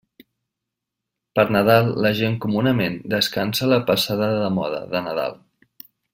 Per Nadal la gent comunament descansa la passada de moda de Nadal.